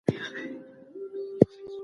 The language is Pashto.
تازه هوږه د حجرو پر فعالیت اغېز کوي.